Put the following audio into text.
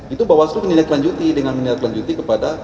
itu bawaslu menindaklanjuti dengan menindaklanjuti kepada